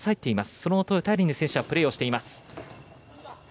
その音を頼りに選手はプレーをしています。